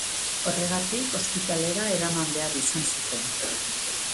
Horregatik, ospitalera eraman behar izan zuten.